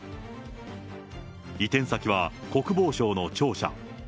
移転先は国防省の庁舎。